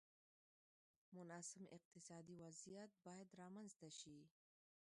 مناسب اقتصادي وضعیت باید رامنځته شي.